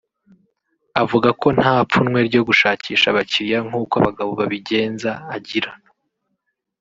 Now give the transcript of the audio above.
Avuga ko nta pfunwe ryo gushakisha abakiriya nk’uko abagabo babigenza agira